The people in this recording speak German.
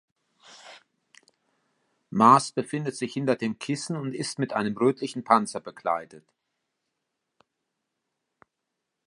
Mars befindet sich hinter dem Kissen und ist mit einem rötlichen Panzer bekleidet.